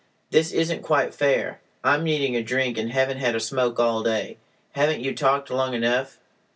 "This isn't quite fair. I'm needing a drink, and haven't had a smoke all day. Haven't you talked long enough?